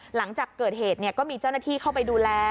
หลังจากเกิดเหตุก็มีเจ้าหน้าที่เข้าไปดูแล